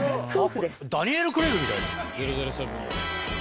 ダニエル・クレイグみたいだな。